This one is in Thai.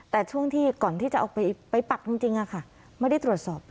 แต่ช่วงที่ก่อนที่จะเอาไปปักจริงไม่ได้ตรวจสอบ